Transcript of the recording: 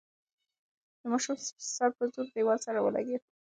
د ماشوم سر په ډېر زور سره له دېوال سره ولګېد.